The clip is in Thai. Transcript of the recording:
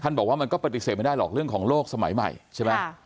บอกว่ามันก็ปฏิเสธไม่ได้หรอกเรื่องของโลกสมัยใหม่ใช่ไหม